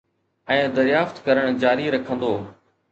۽ دريافت ڪرڻ جاري رکندو